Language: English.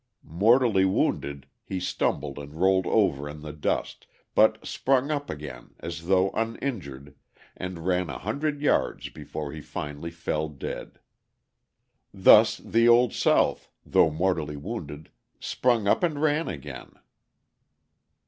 Mortally wounded, he stumbled and rolled over in the dust, but sprung up again as though uninjured and ran a hundred yards before he finally fell dead. Thus the Old South, though mortally wounded, sprung up and ran again.